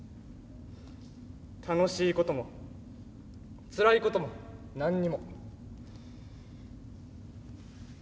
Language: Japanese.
楽しいこともつらいことも何にも。